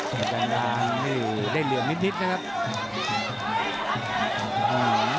ประจานบานนี่เลี่ยวนิดนิดนะครับ